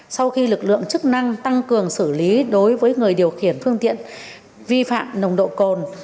sau khi lực lượng chức năng tăng cường xử lý đối với người điều khiển phương tiện vi phạm nồng độ cồn